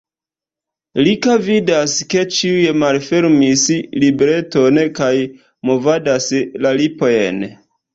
Rika vidas, ke ĉiuj malfermis libreton kaj movadas la lipojn.